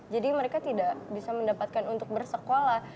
jadi mereka tidak bisa mendapatkan untuk bersekolah